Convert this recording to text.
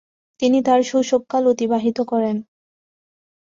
তিনি তার শৈশবকাল অতিবাহিত করেন।